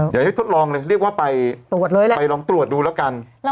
อยากให้ทดลองเลยเรียกว่าไปลองตรวจดูแล้วกัน